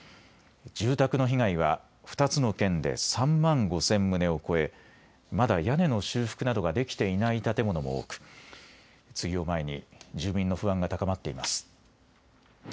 住宅の被害は２つの県で３万５０００棟を超えまだ屋根の修復などができていない建物も多く梅雨を前に住民の不安が高まっています。